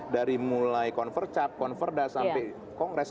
dari mulai konvercat konverda sampai kongres